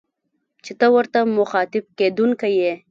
چي ته ورته مخاطب کېدونکی يې